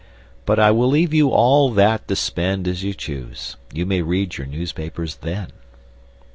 But I will leave you all that to spend as you choose. You may read your newspapers then.